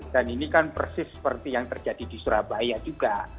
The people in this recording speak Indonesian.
dan ini kan persis seperti yang terjadi di surabaya juga